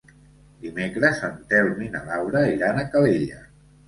Dimecres en Telm i na Laura iran a Calella.